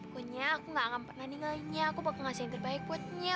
pokoknya aku gak akan pernah ninggalin nya aku bakal ngasih yang terbaik buat nya